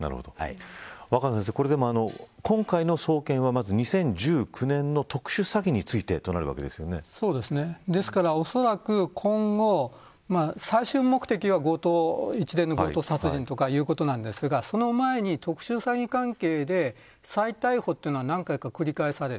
若狭先生、今回の送検はまず２０１９年の特殊詐欺にですから、おそらく今後最終目的は一連の強盗殺人ということになりますがその前に、特殊詐欺関係で再逮捕というのは何回か繰り返される。